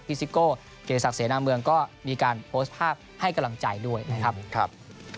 พิซิโกเกษักเสนามเมืองก็มีการโพสต์ภาพให้กำลังจ่ายด้วยนะครับ